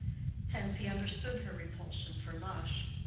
Hence he understood her repulsion for Lush.